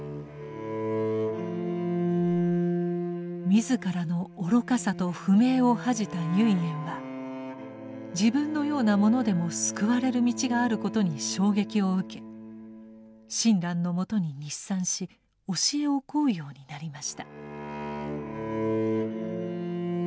自らの愚かさと不明を恥じた唯円は自分のような者でも救われる道があることに衝撃を受け親鸞のもとに日参し教えを請うようになりました。